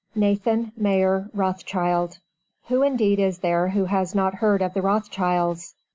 NATHAN MAYER ROTHSCHILD. Who indeed is there who has not heard of the Rothschilds?